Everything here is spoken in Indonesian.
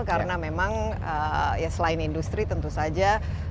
karena memang ya selain industri tentu saja